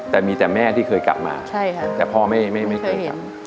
แต่มีแต่แม่ที่เคยกลับมาใช่ค่ะแต่พ่อไม่ไม่เคยเห็น